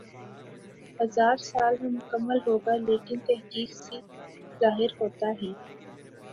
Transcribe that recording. ہزا ر سال میں مکمل ہوگا لیکن تحقیق سی ظاہر ہوتا ہی